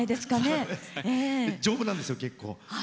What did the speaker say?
丈夫なんですよ、結構。